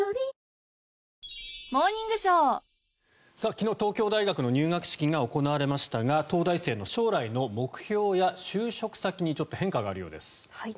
昨日、東京大学の入学式が行われましたが東大生の将来の目標や就職先にちょっと変化があるようです。